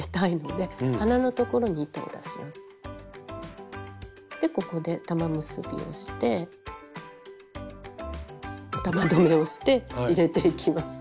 でここで玉結びをして玉留めをして入れていきます。